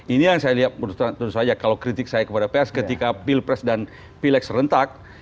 ini yang saya lihat menurut saya kalau kritik saya kepada ps ketika pilpres dan pileg serentak